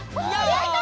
やった！